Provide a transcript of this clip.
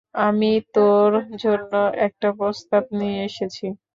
আমি তোর জন্য একটা প্রস্তাব নিয়ে এসেছি।